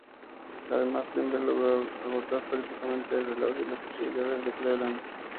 Además Denver logró agotar prácticamente el reloj y las posibilidades de Cleveland.